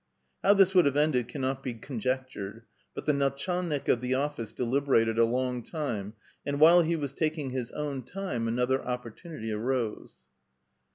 How this would have ended cannot be conjectured, but the natcJialnik of the office deliberated a long time, and while he was taking his own time, another opportunity arose.